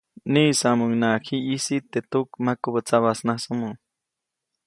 Niʼisamuŋnaʼak ji ʼyisi teʼ tuk makubä tsabasnasomo.